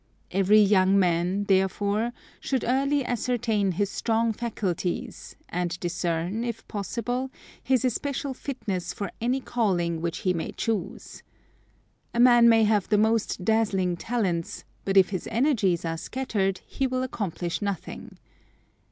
Every young man, therefore, should early ascertain his strong faculties, and discern, if possible, his especial fitness for any calling which he may choose. A man may have the most dazzling talents, but if his energies are scattered he will accomplish nothing.